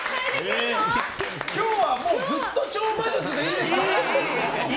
今日はもうずっと超魔術でいいですね。